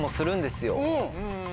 うん。